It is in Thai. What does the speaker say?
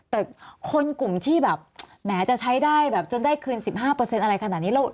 แต่คนกลุ่มที่แบบแหมจะใช้ได้แบบจนได้คืน๑๕อะไรขนาดนี้